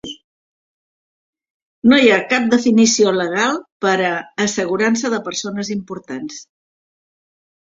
No hi ha cap definició legal per a "assegurança de persones importants".